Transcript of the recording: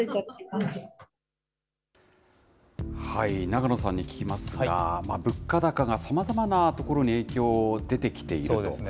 永野さんに聞きますが、物価高がさまざまなところに影響出てきていると。